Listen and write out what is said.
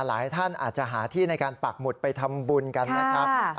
หลายท่านอาจจะหาที่ในการปักหมุดไปทำบุญกันนะครับ